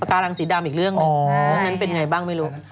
ปะการังสีดำอีกเรื่องนั่นเป็นยังไงบ้างไม่รู้